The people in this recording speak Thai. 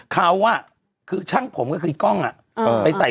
เขาบอกว่าดูใน